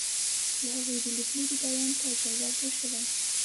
د هغوی د لیدلوري بیان ته ځای ورکړل شوی.